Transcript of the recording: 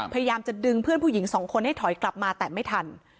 พยายามจะดึงเพื่อนผู้หญิงสองคนให้ถอยกลับมาแต่ไม่ทัน